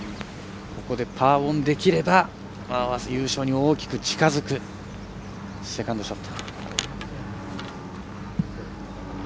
ここでパーオンできれば優勝に大きく近づくセカンドショット。